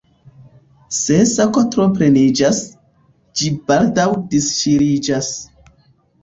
Se sako tro pleniĝas, ĝi baldaŭ disŝiriĝas.